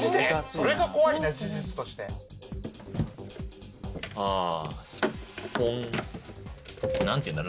それが怖いね事実としてあぁスッポン何て言うんだ？